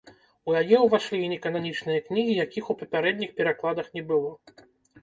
У яе ўвайшлі і некананічныя кнігі, якіх у папярэдніх перакладах не было.